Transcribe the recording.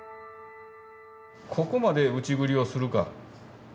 ここまで内刳りをするか。